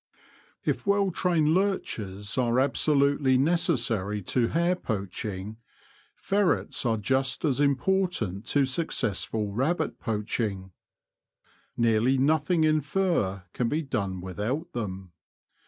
F well trained lurchers are absolutely necessary to hare poaching, ferrets are just as important to successful rabbit poaching. Nearly nothing in fur can be done without them.